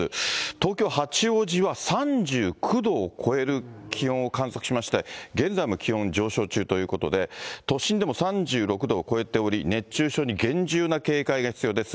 東京・八王子は３９度を超える気温を観測しまして、現在も気温上昇中ということで、都心でも３６度を超えており、熱中症に厳重な警戒が必要です。